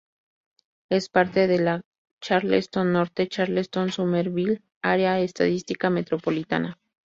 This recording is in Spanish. Es parte de la Charleston-Norte Charleston-Summerville Área Estadística Metropolitana..